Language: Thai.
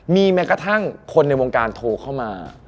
มีแม้กระทั่งคนในวงการโทรเข้ามา